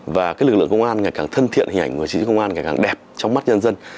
và lực lượng công an ngày càng thân thiện hình ảnh của người chiến sĩ công an ngày càng đẹp trong mắt nhân dân